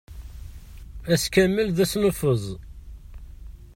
Ass kamel d asnuffeẓ.